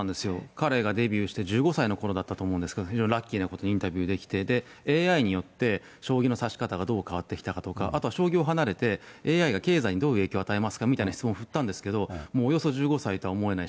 彼がデビューした１５歳のころだったと思うんですけど、非常にラッキーなことに、インタビューできて、ＡＩによって将棋の指し方がどう変わってきたかとか、あとは将棋を離れてＡＩが経済にどういう影響を与えますかみたいな質問振ったんですけど、もうおよそ１５歳とは思えない